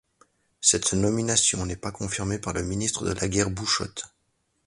Cette nomination, n’est pas confirmée par le ministre de la guerre Bouchotte.